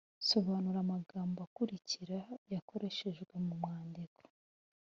sobanura amagambo akurikira yakoreshejwe mu mwandiko.